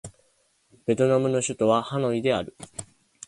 ベトナムの首都はハノイである